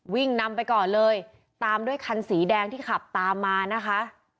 วิ่งนำไปก่อนเลยตามด้วยคันสีแดงที่ขับตามมานะคะ